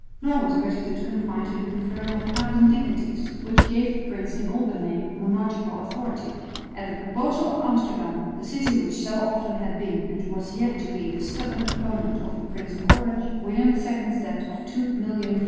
Nor was gratitude confined to the conferring of powers and dignities which gave the prince in all but name monarchical authority. At the proposal of Amsterdam, the city which so often had been and was yet to be the stubborn opponent of the Princes of Orange, William II's debt of 2,000,000 fl.